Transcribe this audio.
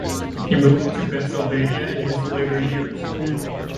He moved to Pennsylvania in his later years.